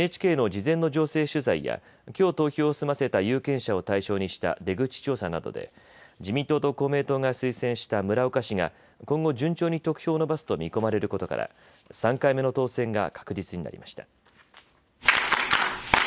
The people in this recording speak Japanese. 開票率はまだ低いですがＮＨＫやきょう投票を済ませた有権者を対象にした出口調査などで、自民党と公明党が推薦した村岡氏が今後順調に得票を伸ばすと見込まれることから３回目の当選が確実になりました。